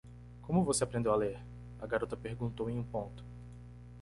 "Como você aprendeu a ler?" a garota perguntou em um ponto.